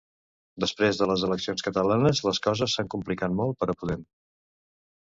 Després de les eleccions catalanes les coses s'han complicat molt per a Podem.